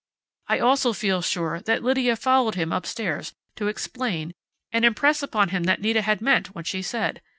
I also feel sure that Lydia followed him upstairs to explain and impress upon him that Nita had meant what she said.